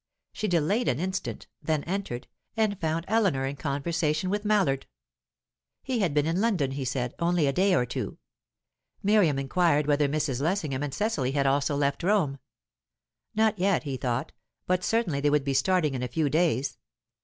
She delayed an instant; then entered, and found Eleanor in conversation with Mallard. He had been in London, he said, only a day or two. Miriam inquired whether Mrs. Lessingham and Cecily had also left Rome. Not yet, he thought, but certainly they would be starting in a few days.